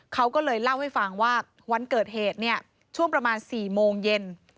เขาก็เลยเล่าให้ฟังว่าวันเกิดเหตุเนี่ยช่วงประมาณ๔โมงเย็น